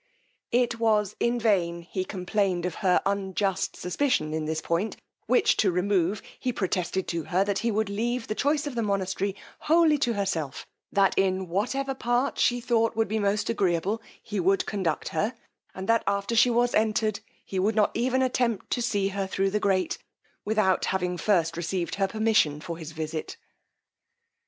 It was in vain he complained of her unjust suspicion in this point, which, to remove, he protested to her that he would leave the choice of the monastry wholly to herself: that in whatever part she thought would be most agreeable, he would conduct her; and that, after she was entered, he would not even attempt to see her thro' the grate, without having first received her permission for his visit.